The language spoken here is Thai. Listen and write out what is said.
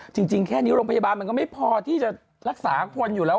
จริงแค่นี้มันก็ไม่พอที่จะรักษากับคนอยู่แล้ว